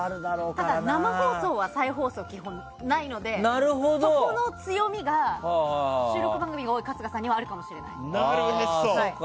ただ生放送は再放送が基本ないのでそこの強みが収録番組が多い春日さんにはあるかもしれません。